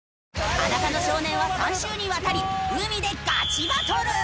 『裸の少年』は３週にわたり海でガチバトル！